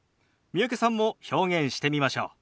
三宅さんも表現してみましょう。